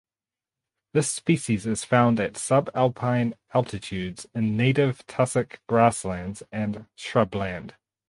This species is found at subalpine altitudes in native tussock grasslands and shrubland.